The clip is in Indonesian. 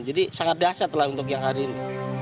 jadi sangat dahsyatlah untuk yang hari ini